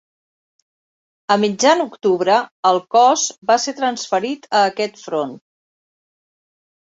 A mitjan octubre, el Cos va ser transferit a aquest front.